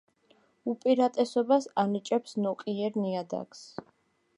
უპირატესობას ანიჭებს ნოყიერ ნიადაგს.